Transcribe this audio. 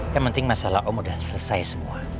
yang penting masalah om sudah selesai semua